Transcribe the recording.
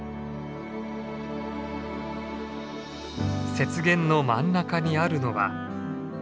雪原の真ん中にあるのは。